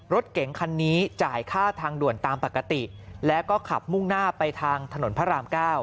รถเก๋งคันนี้จ่ายค่าทางด่วนตามปกติแล้วก็ขับมุ่งหน้าไปทางถนนพระราม๙